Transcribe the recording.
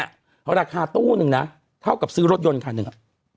ราคาตู้นึงนะเท่ากับซื้อรถยนต์คันหนึ่ง